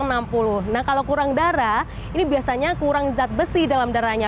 nah kalau kurang darah ini biasanya kurang zat besi dalam darahnya